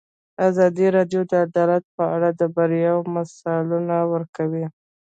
ازادي راډیو د عدالت په اړه د بریاوو مثالونه ورکړي.